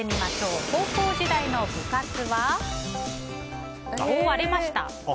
高校時代の部活は？割れました。